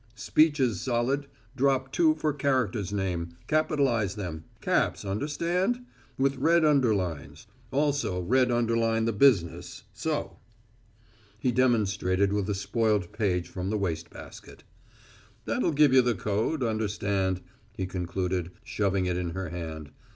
Speeches solid. Drop two for character's name. Capitalize them caps, understand? with red underlines. Also red underline the business, so." He demonstrated with a spoiled page from the waste basket. "That'll give you the code, understand," he concluded, shoving it in her hand.